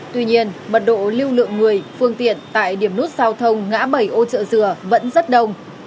tuy nhiên mật độ lưu lượng người phương tiện tại điểm nút giao thông ngã bảy ô chợ dừa vẫn rất đông